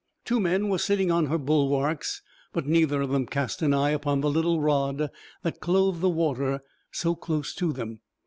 Two men were sitting on her bulwarks, but neither of them cast an eye upon the little rod that clove the water so close to them.